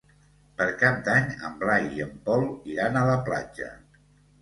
Per Cap d'Any en Blai i en Pol iran a la platja.